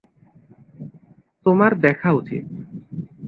তোমার দেখা উচিত।